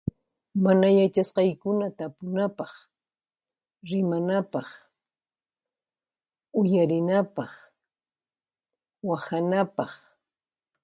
Mana yachasqaykuna tapunapaq, rimanapaq, uyarinapaq, wahanapaq.